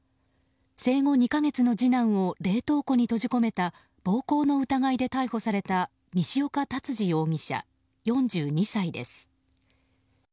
生後２か月の次男を冷凍庫に閉じ込めた暴行の疑いで逮捕された西岡竜司容疑者、４２歳です。